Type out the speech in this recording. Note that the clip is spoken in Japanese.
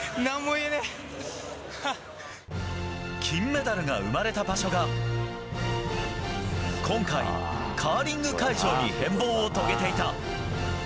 金メダルが生まれた場所が今回、カーリング会場に変貌を遂げていた。